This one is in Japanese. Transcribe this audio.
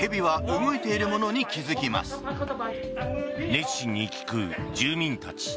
熱心に聞く住民たち。